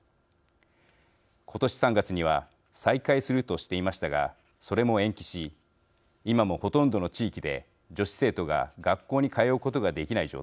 今年３月には再開するとしていましたがそれも延期し今もほとんどの地域で女子生徒が学校に通うことができない状態です。